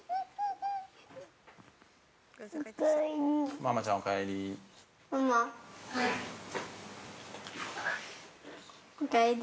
◆ママちゃん、お帰り。